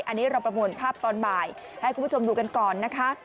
อันนี้เราประมวลภาพตอนบ่ายให้คุณผู้ชมดูกันก่อนนะคะ